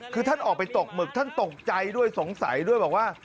คือท่านออกไปตกหมึกท่านตกใจด้วยสงสัยด้วยบอกว่า